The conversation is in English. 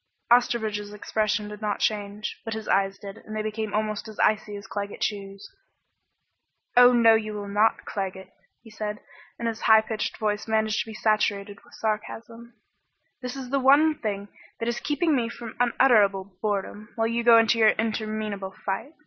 Osterbridge's expression did not change but his eyes did, and they became almost as icy as Claggett Chew's. "Oh no, you will not, Claggett," he said, and his high pitched voice managed to be saturated with sarcasm. "This is the one thing that is keeping me from unutterable boredom, while you go into your interminable fight."